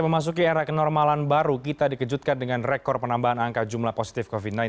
memasuki era kenormalan baru kita dikejutkan dengan rekor penambahan angka jumlah positif covid sembilan belas